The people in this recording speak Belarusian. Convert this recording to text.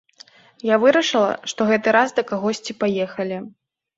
Я вырашыла, што гэты раз да кагосьці паехалі.